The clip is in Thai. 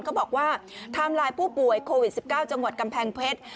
เขาบอกว่าไทม์ไลน์ผู้ป่วยโควิด๑๙จังหวัดกำแพงเพชร